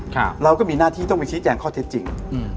เราก็มีหน้าที่ต้องไปชี้แจงข้อเท็จจริงอืม